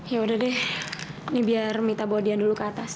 ya udah deh ini biar mita bawa dia dulu ke atas